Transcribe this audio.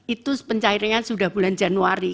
itu pencairannya sudah bulan januari